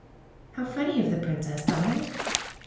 "How funny of the princess, Donald!"